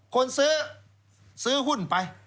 คนซื้อซื้อหุ้นไป